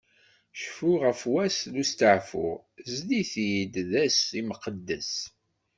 Cfu ɣef wass n usteɛfu, ɛzel-it-id d ass imqeddes.